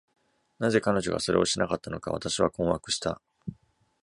なぜ彼女がそれをしなかったのか、私は困惑した。